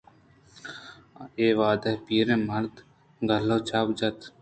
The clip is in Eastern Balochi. اے وہداں پیریں مردءَ گل ءَ چاپ جت